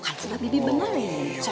kan sudah bibi benar ya